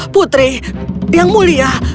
putri yang mulia